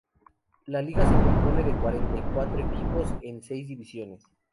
La liga se compone de cuarenta y cuatro equipos en seis divisiones.